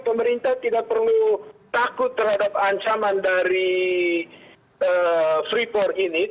pemerintah tidak perlu takut terhadap ancaman dari freeport ini